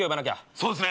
そうですね。